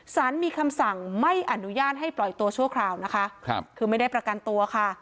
สารมีคำสั่งไม่อนุญาตให้ปล่อยตัวชั่วคราวนะคะคือไม่ได้ประกันตัวค่ะ